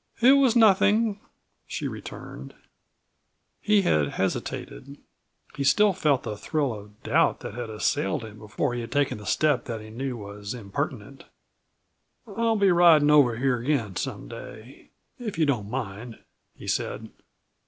"It was nothing," she returned. He had hesitated he still felt the thrill of doubt that had assailed him before he had taken the step that he knew was impertinent. "I'll be ridin' over here again, some day, if you don't mind," he said.